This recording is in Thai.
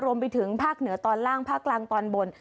รวมไปถึงภาคเหนือตอนล่างภาคกลางตอนบน